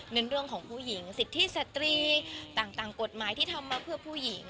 เรื่องของผู้หญิงสิทธิสตรีต่างกฎหมายที่ทำมาเพื่อผู้หญิง